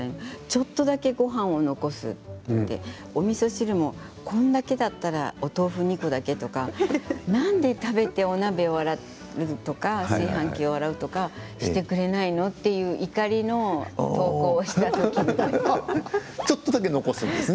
ちょっとだけごはんを残すおみそ汁も、こんだけだったらお豆腐２個だけとか何で食べてお鍋を洗うとか炊飯器を洗うとかしてくれないの？という怒りの投稿をした時です。